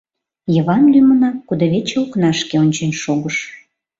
Йыван лӱмынак кудывече окнашке ончен шогыш.